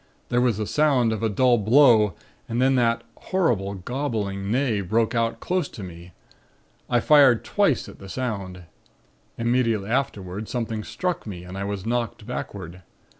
There was the sound of a dull blow and then that horrible, gobbling neigh broke out close to me. I fired twice at the sound. Immediately afterward something struck me and I was knocked backward.